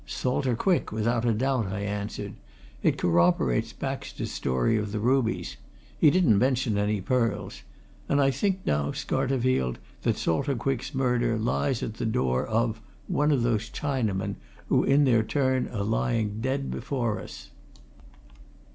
"Salter Quick, without a doubt," I answered. "It corroborates Baxter's story of the rubies. He didn't mention any pearls. And I think now, Scarterfield, that Salter Quick's murder lies at the door of one of those Chinamen who in their turn are lying dead before us!"